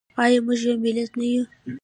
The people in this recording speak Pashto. آیا موږ یو ملت نه یو؟